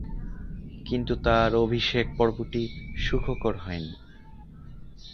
কিন্তু তার অভিষেক পর্বটি সুখকর হয়নি।